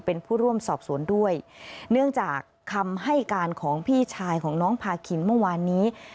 เป็นผู้ร่วมสอบสวนด้วยเนื่องจากคำให้การของพี่ชายของน้องพาคินเมื่อวานนี้